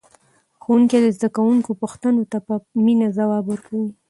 ښوونکی د زده کوونکو پوښتنو ته په مینه ځواب ورکوي